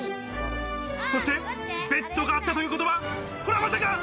そして、ベッドがあったということは、これはまさか？